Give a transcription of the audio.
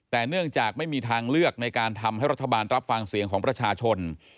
แต่เนื่องจากไม่มีทางเลือกในการทำให้รัฐบาลรับฟังเสียงของประชาชน